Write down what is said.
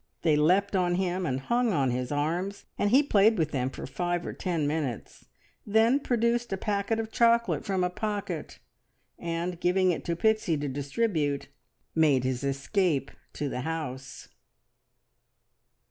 They leapt on him, and hung on his arms; and he played with them for five or ten minutes, then produced a packet of chocolate from a pocket, and giving it to Pixie to distribute, made his escape to the house.